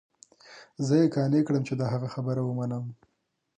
زه يې قانع کړم چې د هغه خبره ومنم.